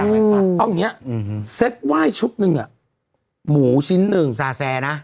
เอาอย่างเนี้ยเซ็กไหว้ชุบนึงอะหมูชิ้นนึงซาแซร์นะ